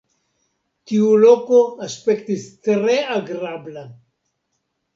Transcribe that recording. Tiu loko aspektis tre agrabla..